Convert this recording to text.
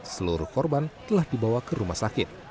seluruh korban telah dibawa ke rumah sakit